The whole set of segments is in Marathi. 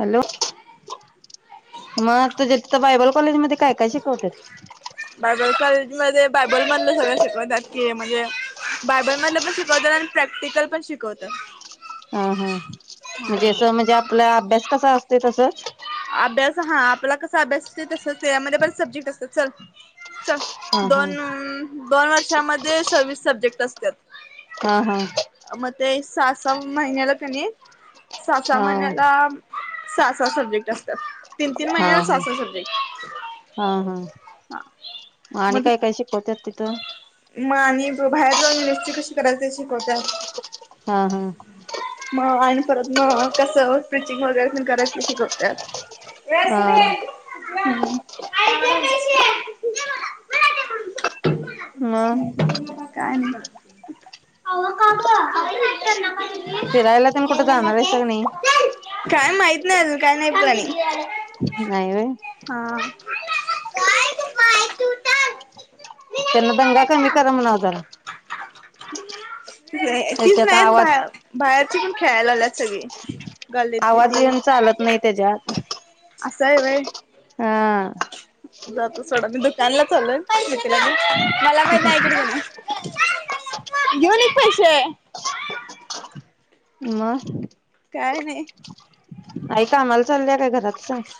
हॅलो म तुझ्या तिथ बायबल कॉलेज मध्ये काय काय शिकवत्यात बायबल कॉलेजमध्ये बायबल मधलं सगळं शिकवतात की म्हणजे बायबल मधल पण शिकवतात. आणि प्रॅक्टिकल पण शिकवतात. हा हा म्हणजे असं म्हणजे आपला अभ्यास कस असतय तसंच अभ्यास हा आपला कसा अभ्यास ये तसाच त्यामध्ये पण सब्जेक्ट असतात. चल च हा दोन हा दोन वर्षामध्ये सव्वीस सब्जेक्ट अस- हा [inaudible] म ते सा सव महिन्याला कणी सा सा हा हा महिन्याला सहा सहा सब्जेक्ट असतात. तीन तीन हा महिन्याला सहा हा सहा सब्जेक्ट हा हा आणि मग काय काय शिकवत्यात तिथं मग आणि बाहेर जाऊन [inaudible] कशी करायची शिकवत्यात हा हा आणि परत म कसं स्टिचिंग वगैरे पण करायचं शिकवत्यात हा [unintelligible] हं आई दे पैसे दे मला मला दे मग ह. [inaudible] काय नाही. [unintelligible] फिरायला ते न कुठ जाणारयसा नाही. काय माहित नाही अजून काय नाही प्लॅनिंग नाही बाई. हा त्यांना दंगा कमी करा म्हणाव जरा. [inaudible] तीच त्याच्यात नाहीत बा आवाज बाहेरची पण खेळायला लाल्यात सगळी गलीतली आवाज ती. येन चालत नाही त्याच्यात असंय होय. हा. जातो [inaudible] मी दुकानला चालोय [inaudible] मला [inaudible] [inaudible] हा घेऊन एकी पैसे म [inaudible] काय नाही. कामाला चालल्या काय घरात सांग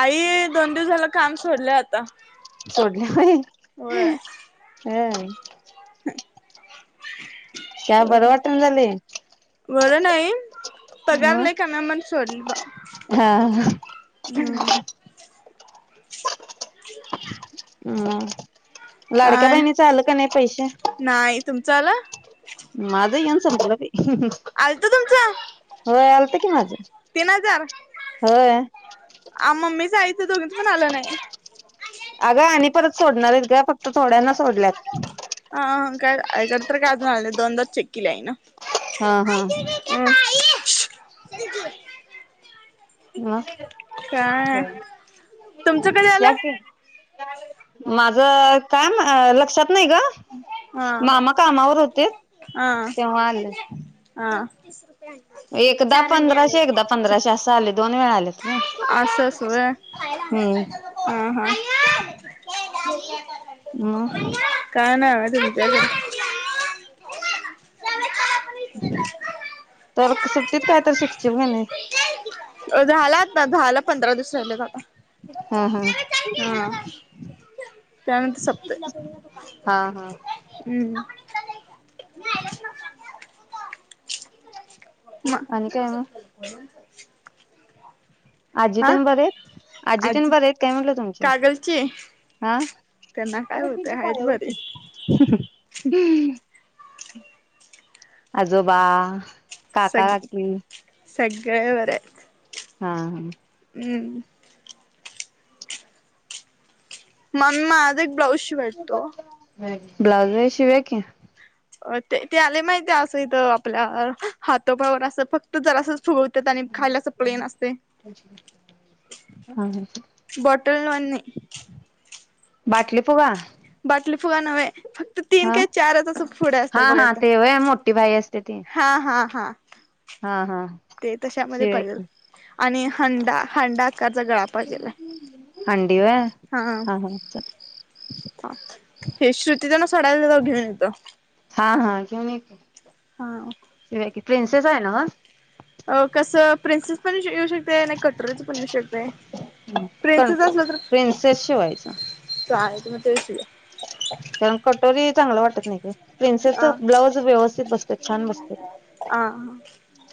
आई दोन दिवस झालं काम सोडलं आता. सोडल्या होय. होय. ह. [inaudible] च्या बरं सोडलं. वाटाणा झालय. बरं नाही. पगारले काना म्हण सोडली बा हा हम्. नाही केला. हम्. काय नाही तुमचाला माझं येऊन सजलं आलत तुमचं? होय आलत कि माझ तीन हजार होय. दोघी पण आलं नाही. अगं आणि परत सोडणार आहेत ग फक्त. सोड्यांना सोडल्यात. अकडे तर काय झालं नाही दोनदार चेक केले आहे ना. हा हा. [inaudible] मास्क. काय तुमचं कधी आलं? माझ काय लक्षात नाही ग. हा मामा कामावर होतीत हा तेव्हा आलं. हा. एकदा पंधराशे एकदा पंधराशे असं आले. दोन वेळा आले. अस सय वय? हम्म ह हा. [unintelligible] मग काय नाही म तुमच्या कड [unintelligible] तर सुट्टीत काय तर शिकची का नाही. झाला आता. झाला पंधरा दिवस राहिलेत आता. हा हा. त्या नंत हा हा. हम्म आणि काय मग म आजी आ तेन बर आहेत? आजितेन आजी बरे आहेत काय म्हटलं तुमच्या? कागलची हा त्यांना काय होतंय आहेत बरी पायावरती आजोबा? काका सग काकी? सगळे बरे येत. हा हा. हम्म. [unintelligible] ब्लाऊज शिवायलतो. ब्लाउज व्हय शिऊया कि. अ ते ते आले माहिती असं इथं आपल्या हातोपावर असं फक्त जरासच फूगवतात आणि खाली अस प्लेन असतय. हा बट [unintelligible] बाटली फुगा? बाटली फुगा नवे. फक्त तीन हा का चारच अस पुढे हा असत्यात हा बघायच. ते व्हय मोठी बाई असते ती हा हा. हा. हा हा. ते तशामध्ये शिवूया पाहिजे. की आणि हंडा हंडा आकारचा गळा पाहिजेलाय हांडी व्हय? हा हा. [inaudible] हे श्रुती त्यांना सोडायला जाईल तवा घेऊन येतो. हा हा घेऊन ये की, हा. शिवूया की प्रिन्सेस हाय न्हव? अ कसं प्रिन्सेस पण येऊ शक ते नाही कटोरीच पण येऊ शकते, कण प्रिन्सेस असल तर, प्रिन्सेस शिवायचं चाल म तेच शिऊया. कारण कटोरी चांगलं वाटत नाही. गं. प्रिन्सेसच अ ब्लाऊज व्यवस्थित बसतयं. छान बसत अ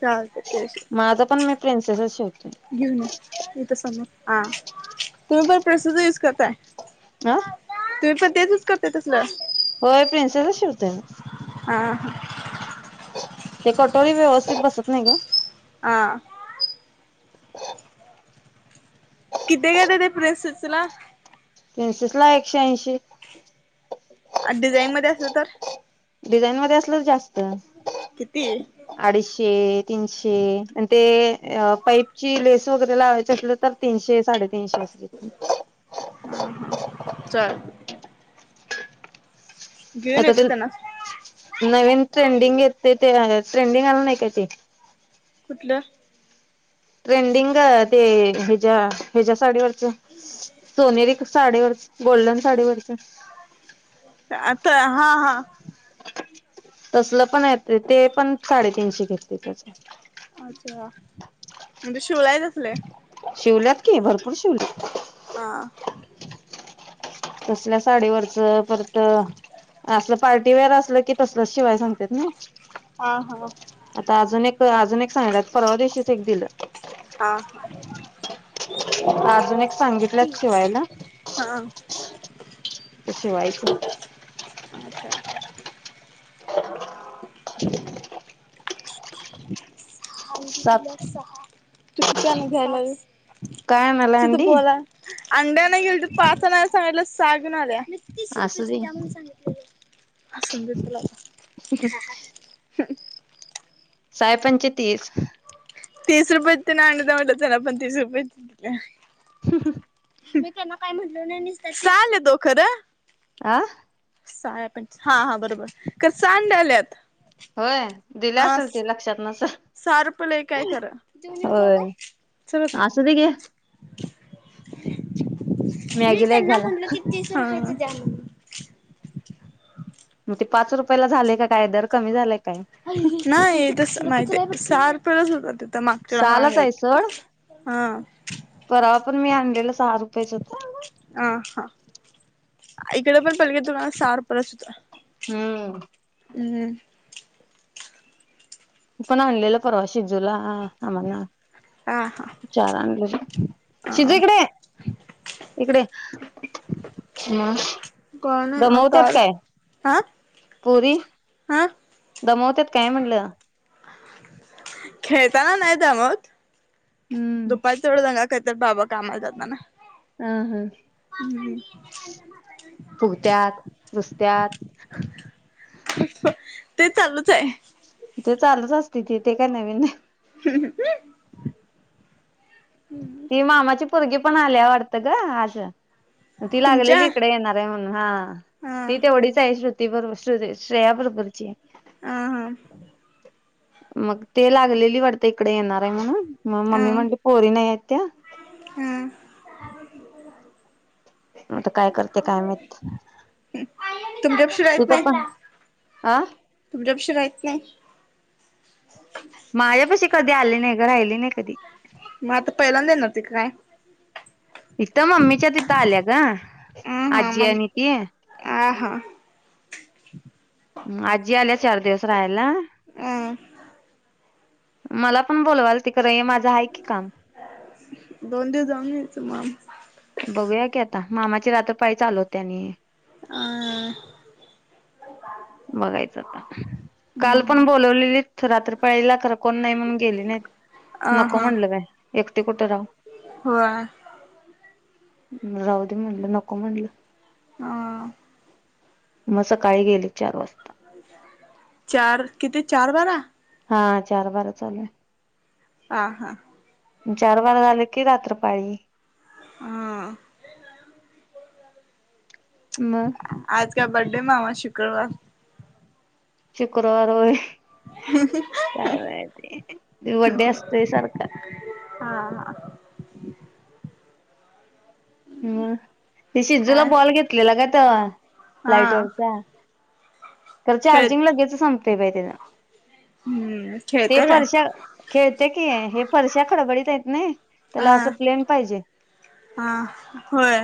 चालत ते माझ पण मी प्रिन्सेसच शिऊ घेऊन य इथं समोर हा तुम्ही पण प्रिन्सेसच युज करताय. आ? तुम्ही पण तेच यूज करताय तसलं? होय प्रिन्सेसच शिवतोय मी. हा हा. ते कटोरी व्यवस्थित बसत नाही गं. हा. किती गं दिदे प्रिंन्सेसतुला प्रिन्सेसला एकशे ऐंशी. डिझाईन मध्ये असलं तर? डिझाईन मध्ये असलं तर जास्त. किती अडीचशे तीनशे आणि ते अ पाईपची लेस वगैरे लावायची असल तर तीनशे साडेतीनशे अस घेत चाल आता ते त्यांना नवीन ट्रेंडिंग येते ते ट्रेंडिंग आला नाही काय ते. कुठल्? ट्रेंडिंग ते हेज्या हेज्या साडीवरचे सोनेरी साडीवर गोल्डन साडीवरच आता हा हा. तसलं पण येत ते पण साडेतीनशे घेते त्याच. अच्छा म्हणजे शिवलाय तसले. शिवल्यात की भरपूर शिवले. आ. तसल्या साडीवरच परत त असलं पार्ट तिवर असलं कि तसलं शिवाय सांगत्यात नई. हां-हां आजून एक सांगल्यात परवा दिवशी. चेक दिलं. हा आजून एक सांगितल्यात शिवायला. हा [inaudible] ते शीवायचं. आछा [inaudible] सात [unintelligible] सहा तू किती आन् घ्यायलाइस. काय त आणायला त अंडी बोला आंडी आनाय गेलती पाच आनाय सांगितलं सहा गेऊन आल्या. मी तीस असू रुपयचं दे द्या म्हणून सांगितल्यालो. आसूंदे चल आता. साय पंचे तीस. तीस रुपय ते ना आण म्हटत त्याला पण तीस रुपये. मी त्यांना काय म्हण सा आलीतो खरं. आह साह्या पंच हां-हां बरोबर, खर सा अंडी आल्यात. होय दिले हां, असेल ते लक्षात नसेल सार पले काय खरं. होय असू दे घे [unintelligible] [inaudible] मी मॅगीला एक त्यांना घाला म्हटलं कि तीस रुपयचं द्या म्हणून. [inaudible] म ते पाच रुपयला झालय क काय दर कमी झालाय काय? तसं माहिती सार [unintelligible] ते मागच्या टायमाला सहालाच आहे गेल, सोड हां. परवा पण मी आणलेलंस् आं हां इकडं पण पलगे तुम्हाला सहा रुप [unintelligible] हुं. हम् मी पण आणलेलं परवा शिजूला. हां आम्हांना हा चार आणलेलं. हा शिजू इकडं ये. इकडे ये. म, कोण दमवत्यात होताल काय? पुरी हां दमवत्यात काय म्हणलं? खेळताना नाही दमवत हम्म दुपारच एव्हढ दंगा करत्यात बाबा कामाला जातना हा, हा फूगत्यात रुसत्यात ते चालूच आहे. ते चालूच असतय ते काय नवीन ती मामाची पोरगी पण आल्या वाटतं गं आशा ती तुमच्या लागलेली इकडे येणार आहे म्हण हा. हा ती तेवढीच आहे श्रुती ती बरोबर शय श्रेया बरोबरची हाय. आ हा मग ते लागलेली वाटत इकडे येणार आहे म्हणून मग हा मम्मी म्हणजे पोरी नाही त्या हा मग आता काय करते काय माहीत तुमच्यापाशी रहित नाही पण आ तुमच्यापशी तुला येत नाही. माझ्या पशी कधी आले नाही राहिले नाही कधी? मग आता पहिल्यांदा येणार होती का काय? तिथं मम्मीच्या तिथं आल्या ग अ आजी आणि ती ह. आजी आल्या चार दिवस राहायला हं. मला पण बोलवाल तिकडे माझं आहे कि काम दोन दिवस जाऊन यायचं मग बघूया की आता मामाची रात्र पाळी चालू होतिया आणि हां हां. बघायचं आता काल पण हम्म बोलवलेलत रात्री पाळीला खरं कोण नाही म्हणून गेली नाही अ नको हा म्हणलं काय? एकटे कुठं राहता. होय. राऊदी म्हणलं नको म्हणलं. हां. मग सकाळी गेले चार वाजता चार किती चार बारा हा चार बारा चालूय. हां हां. चार बारा झालं कि रात्र पाळी हां मग आज का बड्डे मावा शुक्रवार शुक्रवार होय. काय बाई ते बड्डे असतोय सारखा हां हां म ते शिजूला काय बॉल घेतलेला काय त हा लाईट वरचा तर खेळ चार्जिंग लगेचं संप ते बाई तेन हम्म खेळत ते काय फर्शा खेळतय कि हे फरशा खडबडीत हायत नाई त्याला हा असं प्लेन पाहिजे हा होय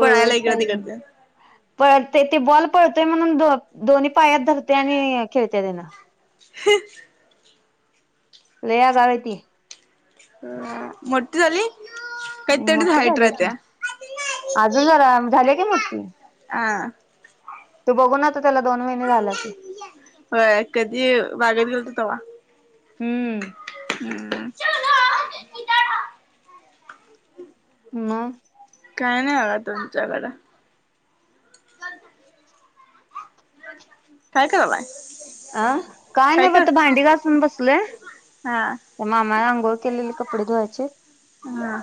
पळायला इकडं पाहिजे. तिकडते पळतय ते बॉल पळतोय म्हणून दोन्ही पायात धरतय आणि खेळतय त्यान [inaudible] लय आगाऊ आहे ती ह मोठी झाली. काही तेवढीच मोठी हाईट झाल्या की राहत्या अजून जरा झाल्या की मोठी हा तू बघून त्याला दोन महिने झाला की [inaudible] होय कधी बागेत गेलतो तवा हम्म हम्म मं काय नाय बगा तुमच्याकड काय करायलाय? अं काय नाय ब आता भांडी घासून बसलोय, हा मामा अंघोळ केलेले कपडे धुवायचेत, हा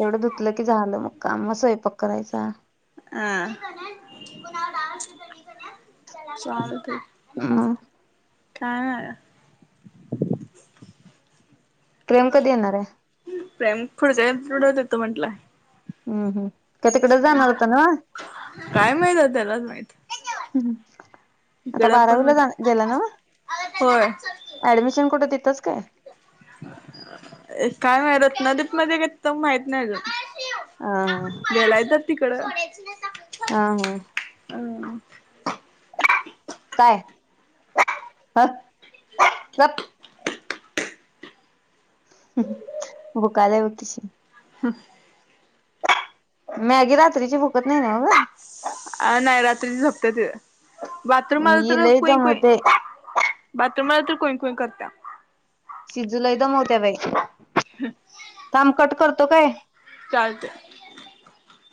तेवढे धुतलं कीं झालं मग का मं स्वयंपाक करायचा आं [inaudible] हा प्रेम कधी येणार आहे [unintelligible] तो म्हंटलाय हम्म हम्म त्यो तिकडंच जानार हुता न्हव, काय माहित आता त्यालाच माहित आता इकडं पण बारावीला जाना म्हणजे गेला न्हव होय ऍडमिशन कुठं तीत तोच काय काय माहित रत्नादीप मध्ये गेलतो माहिती नाही ह हा अजून गेलाय तर, ति कडं. हा, हा. हं. काय? हं. गप. [unintelligible] ह. मॅगी रात्रीची भूकत न्हाई नव्ह ग. अं नाय रात्रीच्या झोपत्यात बाथरूमला ग आलं तर लई कुई - कुई दमवते बाथ तुम्हाला ती कुई कुई करत्या. शिजलंय दमवत्या बाई. थांब कट कर तो काय! चालते.